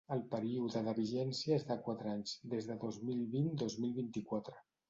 El període de vigència és de quatre anys, des de dos mil vint-dos mil vint-i-quatre.